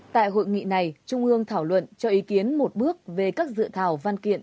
tại hội nghị này trung ương thảo luận cho ý kiến một bước về các dự thảo văn kiện